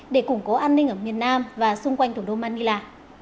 để củng cố an ninh ở miền nam và xung quanh thủ đô manila